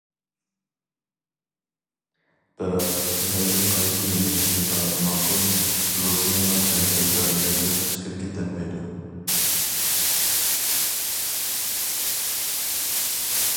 بىراق، مەيلى قايسى يۆنىلىشكە قاراپ ماڭسۇن، رۇسىيەنىڭ تەسىر دائىرىسىدىن چىقىپ كېتەلمەيدۇ.